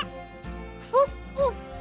フォッフォッフォ。